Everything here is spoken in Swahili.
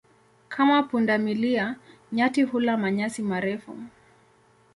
Kama punda milia, nyati hula manyasi marefu.